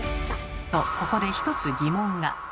とここで１つ疑問が。